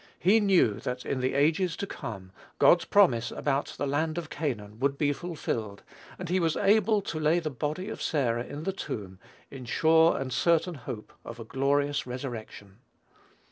He knew that in the ages to come, God's promise about the land of Canaan would be fulfilled, and he was able to lay the body of Sarah in the tomb, "in sure and certain hope of a glorious resurrection."